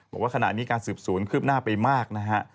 บอกว่าขณะนี้การสืบสวนคืบหน้าไปมากนะฮะ